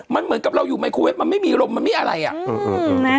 มันเหมือนกับเราอยู่ไมโครเวฟมันไม่มีลมมันไม่อะไรอ่ะ